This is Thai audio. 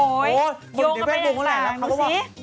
โอ๊ยเดี๋ยวแฟนกุ้งก็แหละแล้วเขาบอกว่าโยงกันไปอย่างสามดูสิ